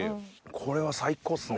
これは最高っすね。